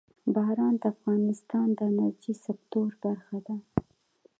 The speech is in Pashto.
باران د افغانستان د انرژۍ سکتور برخه ده.